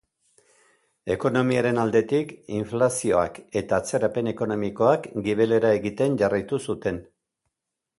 Ekonomiaren aldetik, inflazioak eta atzerapen ekonomikoak gibelera egiten jarraitu zuten.